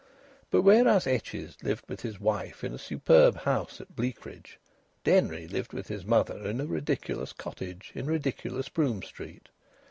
But whereas Etches lived with his wife in a superb house at Bleakridge, Denry lived with his mother in a ridiculous cottage in ridiculous Brougham Street.